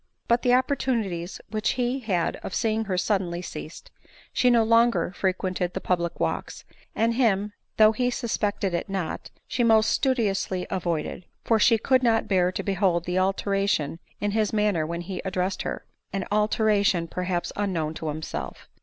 But the opportunities which he had of seeing her sud denly ceased. She no longer, frequented the public walks ; and him, though he suspected it not, she most studiously avoided ; for she could not bear to behold the alteration in his manner when he addressed her, an altera tion perhaps unknown to himself.